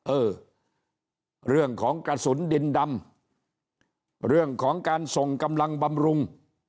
เออเรื่องของกระสุนดินดำเรื่องของการส่งกำลังบำรุง